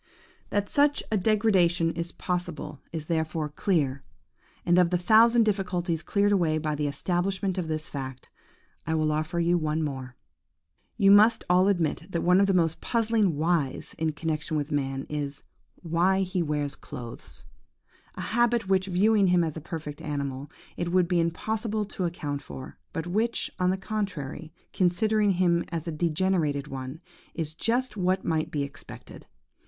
– "That such a degeneration is possible is therefore clear; and of the thousand difficulties cleared away by the establishment of this fact, I will offer you one more. "You must all admit that one of the most puzzling whys in connexion with man is, why he wears clothes? A habit which, viewing him as a perfect animal, it would be impossible to account for, but which, on the contrary, considering him as a degenerated one, is just what might be expected.